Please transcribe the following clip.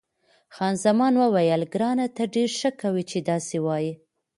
خان زمان وویل، ګرانه ته ډېره ښه کوې چې داسې وایې.